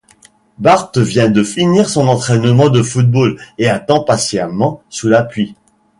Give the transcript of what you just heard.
Bart vient de finir son entraînement de football et attend patiemment sous la pluie.